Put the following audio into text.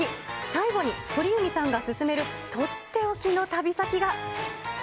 最後に鳥海さんが勧める取って置きの旅先が。